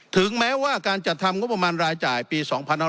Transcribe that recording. ถึงแม้ว่าการจัดทำงบประมาณรายจ่ายปี๒๕๖๐